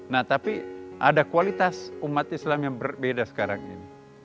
nah tapi ada kualitas umat islam yang berbeda sekarang ini